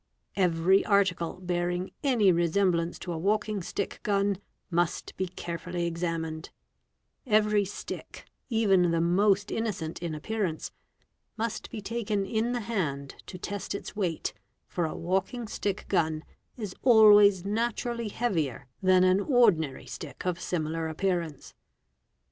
Every article bearing any resemblance to a walking stick gun must be carefully examined; every stick, even the most innocent in ~ appearance, must be taken in the hand to test its weight, for a walking — stick gun is always naturally heavier than an ordinary stick of similar — appearance.